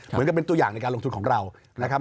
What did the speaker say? เหมือนกับเป็นตัวอย่างในการลงทุนของเรานะครับ